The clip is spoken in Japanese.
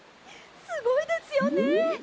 すごいですよね。